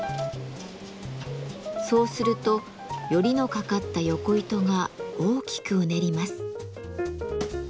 そうするとヨリのかかったヨコ糸が大きくうねります。